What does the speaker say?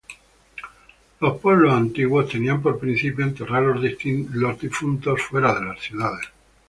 Los pueblos antiguos tenían por principio enterrar los difuntos fuera de las ciudades.